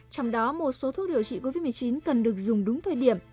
trong đó một số thuốc điều trị covid một mươi chín cần được dùng đúng thời điểm